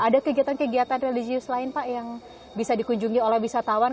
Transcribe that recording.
ada kegiatan kegiatan religius lain pak yang bisa dikunjungi oleh wisatawan